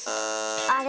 あれ？